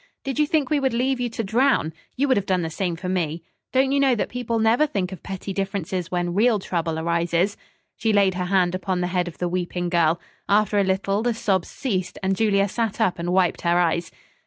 "Did you think we would leave you to drown? You would have done the same for me. Don't you know that people never think of petty differences when real trouble arises?" She laid her hand upon the head of the weeping girl. After a little the sobs ceased and Julia sat up and wiped her eyes.